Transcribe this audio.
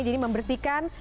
jadi aku mau ntar ikut